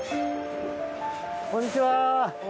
こんにちは。